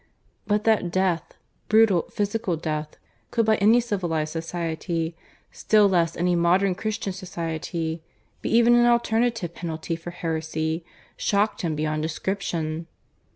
But that death brutal physical death could by any civilized society still less any modern Christian society be even an alternative penalty for heresy, shocked him beyond description.